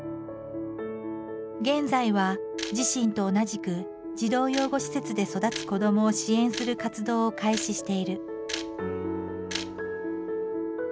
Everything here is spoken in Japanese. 現在は自身と同じく児童養護施設で育つ子どもを支援する活動を開始している。